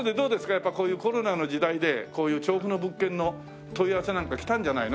やっぱこういうコロナの時代でこういう調布の物件の問い合わせなんか来たんじゃないの？